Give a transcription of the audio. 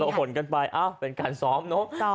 ผลกันไปเป็นการซ้อมเนอะ